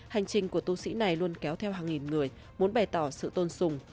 hành trình của tu sĩ này luôn kéo theo hàng nghìn người muốn bày tỏ sự tôn sùng